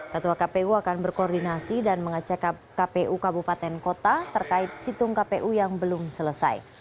ketua kpu akan berkoordinasi dan mengecek kpu kabupaten kota terkait situng kpu yang belum selesai